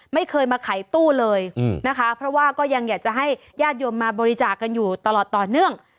ไม่เคยมาขายตู้เลยนะคะเพราะว่าก็ยังอยากจะให้ญาติโยมมาบริจาคกันอยู่ตลอดต่อเนื่อง